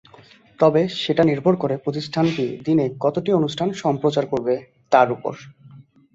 তবে সেটা নির্ভর করে প্রতিষ্ঠানটি দিনে কতটি অনুষ্ঠান সম্প্রচার করবে, তার ওপর।